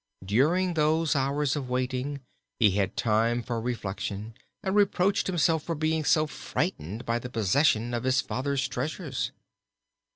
During those hours of waiting he had time for reflection and reproached himself for being so frightened by the possession of his father's treasures.